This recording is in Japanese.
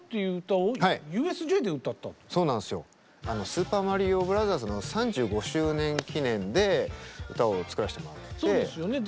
「スーパーマリオブラザーズ」の３５周年記念で歌を作らせてもらって。